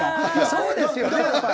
そうですよねやっぱ。